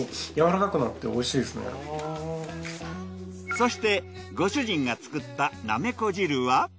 そしてご主人が作ったなめこ汁は。